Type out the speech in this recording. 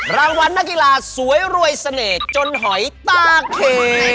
รางวัลนักกีฬาสวยรวยเสน่ห์จนหอยตาเค